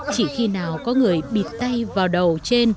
chỉ khi nào có người bịt tay vào đầu trên